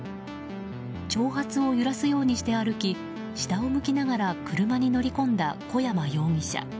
長髪を揺らすようにして歩き下を向きながら車に乗り込んだ小山容疑者。